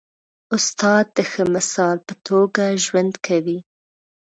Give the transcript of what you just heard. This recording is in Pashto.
استاد د ښه مثال په توګه ژوند کوي.